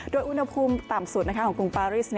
โดยอุณหภูมิต่ำสุดของกรุงปาริส